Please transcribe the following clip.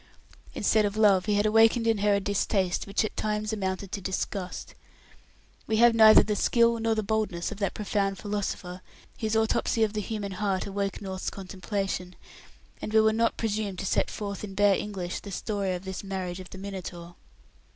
Instead of love, he had awakened in her a distaste which at times amounted to disgust. We have neither the skill nor the boldness of that profound philosopher whose autopsy of the human heart awoke North's contemplation, and we will not presume to set forth in bare English the story of this marriage of the Minotaur.